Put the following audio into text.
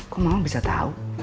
kok mama bisa tahu